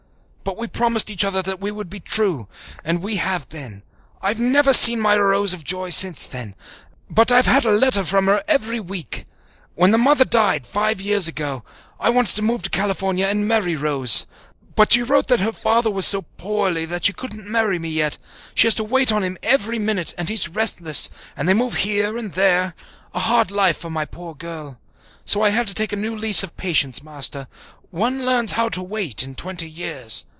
But we promised each other that we would be true, and we have been. I've never seen my Rose of joy since then, but I've had a letter from her every week. When the mother died, five years ago, I wanted to move to California and marry Rose. But she wrote that her father was so poorly she couldn't marry me yet. She has to wait on him every minute, and he's restless, and they move here and there a hard life for my poor girl. So I had to take a new lease of patience, Master. One learns how to wait in twenty years.